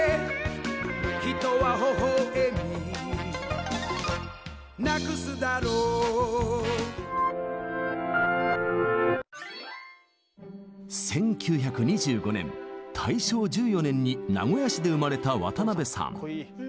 「人はほほえみなくすだろう」１９２５年大正１４年に名古屋市で生まれた渡辺さん。